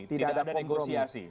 tidak ada negosiasi